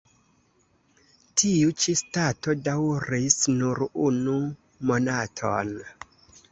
Tiu ĉi stato daŭris nur unu monaton.